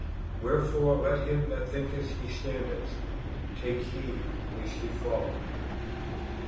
Wherefore let him that thinketh he standeth, take heed lest he fall."